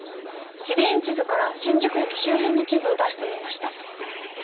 地理院地図から新宿駅周辺の地図を出してみました。